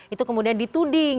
itu kemudian dituding